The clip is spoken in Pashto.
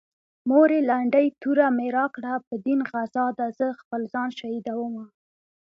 مورې لنډۍ توره مې راکړه په دين غزا ده زه خپل ځان شهيدومه